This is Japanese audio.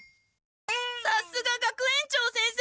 さすが学園長先生！